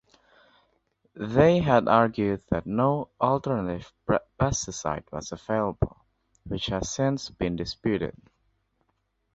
They had argued that no alternative pesticide was available, which has since been disputed.